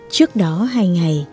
trước đó hai ngày